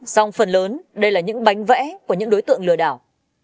song phần lớn đây là những bánh vẽ của những đối tượng lừa đảo